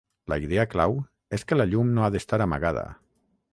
La idea clau és que la llum no ha d'estar amagada.